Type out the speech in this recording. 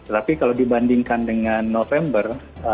tapi kalau dibandingkan dengan november